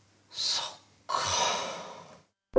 そっか。